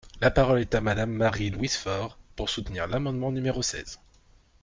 La parole est à Madame Marie-Louise Fort, pour soutenir l’amendement numéro seize.